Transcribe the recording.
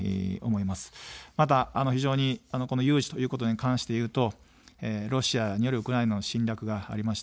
また非常に、この有事ということに関して言うと、ロシアによるウクライナの侵略がありました。